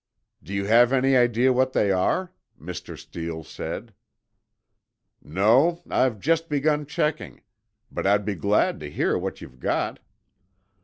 "Do you have any idea what they are?" Mr. Steele said. "No, I've just begun checking. But I'd be glad to hear what you've got."